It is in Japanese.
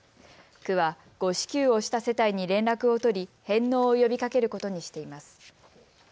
区は誤支給をした世帯に連絡を取り返納を呼びかけることにしています。